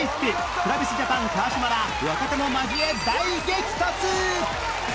ＴｒａｖｉｓＪａｐａｎ 川島ら若手も交え大激突！